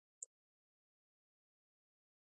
لعل د افغانستان د تکنالوژۍ پرمختګ سره تړاو لري.